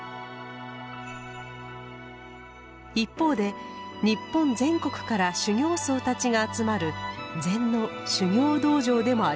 一方で日本全国から修行僧たちが集まる禅の修行道場でもあります。